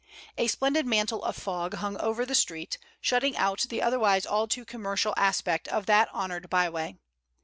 A splendid mantle of fog hung over the street, shutting out the otherwise all too commercial aspect of that honored by way.